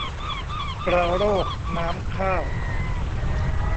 กระโรกน้ำข้าว